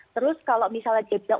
terus kalau misalnya dia bilang